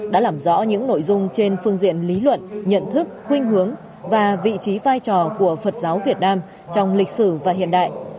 đã làm rõ những nội dung trên phương diện lý luận nhận thức khuyên hướng và vị trí vai trò của phật giáo việt nam trong lịch sử và hiện đại